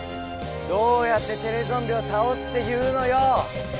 どうやってテレゾンビをたおすっていうのよ。